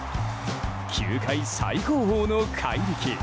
球界最高峰の怪力。